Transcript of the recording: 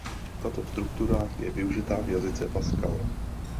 Tato struktura je využita v jazyce Pascal.